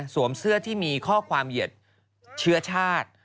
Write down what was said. เสื้อที่มีข้อความเหยียดเชื้อชาติ